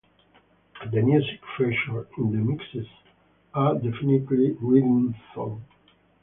The music featured in the mixes are definitely riddim though.